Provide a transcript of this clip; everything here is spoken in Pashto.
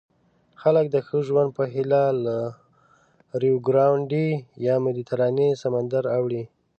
خلک د ښه ژوند په هیله له ریوګرانډي یا مدیترانې سمندر اوړي.